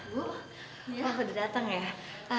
bu aku udah datang ya